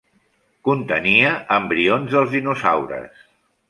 Contenia embrions dels dinosaures.